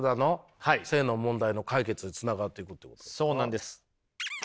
そうなんです。